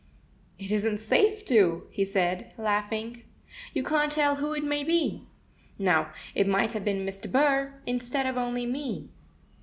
"It isn't safe to," he said, laughing. "You can't tell who it may be. Now, it might have been Mr. Burr, instead of only me."